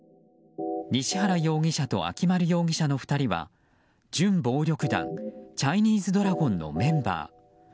西原容疑者と秋丸容疑者の２人は準暴力団チャイニーズドラゴンのメンバー。